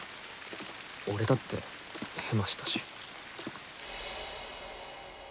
俺だってヘマしたし。